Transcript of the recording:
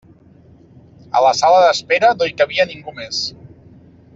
A la sala d'espera no hi cabia ningú més.